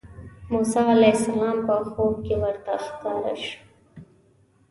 موسی علیه السلام په خوب کې ورته ښکاره شو.